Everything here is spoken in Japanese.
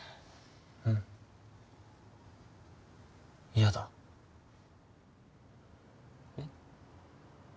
うん嫌だえっ？